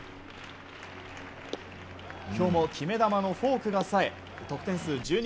今日も決め球のフォークが冴え得点数１２